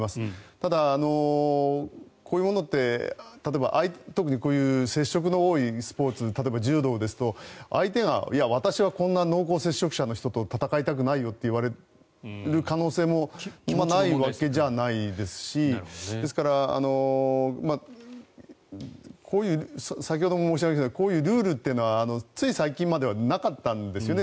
ただ、こういうものって例えば特にこういう接触の多いスポーツ例えば柔道ですと相手がこんな濃厚接触者の人と戦いたくないよと言われる可能性もないわけじゃないですしですから先ほども申し上げましたがこういうルールはつい最近まではなかったんですよね。